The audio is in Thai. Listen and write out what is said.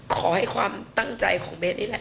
ขอให้ความตั้งใจของเบสนี่แหละ